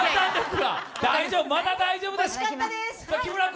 大丈夫、まだ大丈夫です。